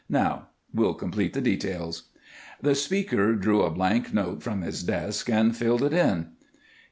Now we'll complete the details." The speaker drew a blank note from his desk and filled it in.